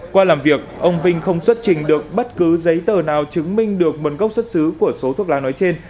qua làm việc ông vinh không xuất trình được bất cứ giấy tờ nào chứng minh được nguồn gốc xuất xứ của số thuốc lá nói trên